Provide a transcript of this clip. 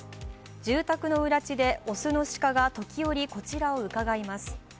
住宅の裏地で雄の鹿が時折こちらをうかがいます。